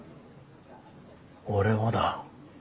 俺もだ。